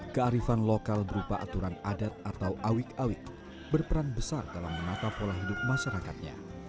kearifan lokal berupa aturan adat atau awik awik berperan besar dalam menata pola hidup masyarakatnya